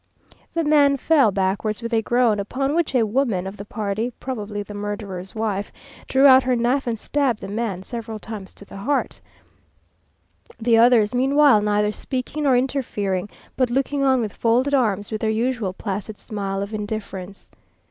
The man fell backwards with a groan, upon which a woman of the party, probably the murderer's wife, drew out her knife, and stabbed the man several times to the heart, the others, meanwhile, neither speaking nor interfering, but looking on with folded arms, and their usual placid smile of indifference.